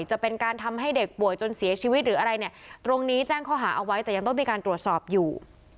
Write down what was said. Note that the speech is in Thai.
จะเป็นการทำให้เด็กป่วยจนเสียชีวิตหรืออะไรเนี่ยตรงนี้แจ้งข้อหาเอาไว้แต่ยังต้องมีการตรวจสอบอยู่